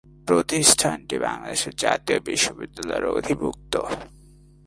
প্রতিষ্ঠানটি বাংলাদেশের জাতীয় বিশ্ববিদ্যালয়ের অধিভুক্ত।